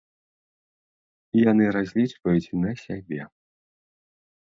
Яны разлічваюць на сябе.